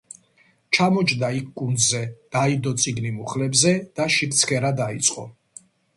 ჩამოჯდა იქ კუნძზე, დაიდო წიგნი მუხლებზე და შიგ ცქერა დიწყო,